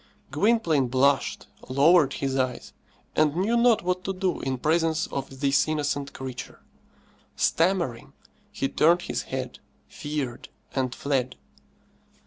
Gwynplaine blushed, lowered his eyes, and knew not what to do in presence of this innocent creature. Stammering, he turned his head, feared, and fled.